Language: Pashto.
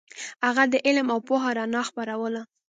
هغه د علم او پوهې رڼا خپروله.